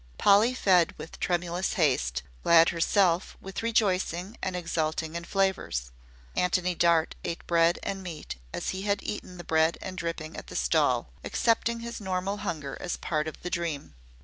Polly fed with tremulous haste; Glad herself with rejoicing and exulting in flavors. Antony Dart ate bread and meat as he had eaten the bread and dripping at the stall accepting his normal hunger as part of the dream.